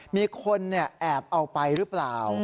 มีคนแอบเอาไปหรือเปล่า